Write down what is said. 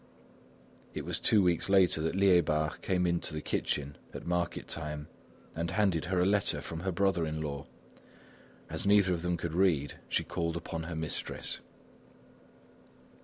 It was two weeks later that Liébard came into the kitchen at market time, and handed her a letter from her brother in law. As neither of them could read, she called upon her mistress.